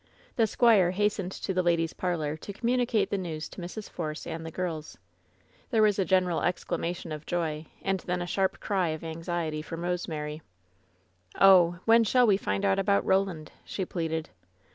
The squire hastened to the ladies' parlor to communi cate the news to Mrs. Force and the girls. There was a general exclamation of joy, and then a cry of sharp anxiety from Rosemary: "Oh! when shall we find out about Roland?'* she pleaded.